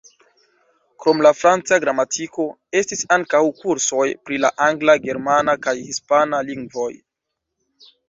Krom la franca gramatiko, estis ankaŭ kursoj pri la angla, germana kaj hispana lingvoj.